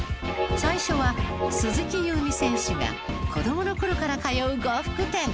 最初は鈴木夕湖選手が子どもの頃から通う呉服店。